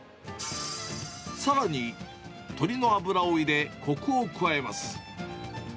さらに鶏の脂を入れこくを加えます。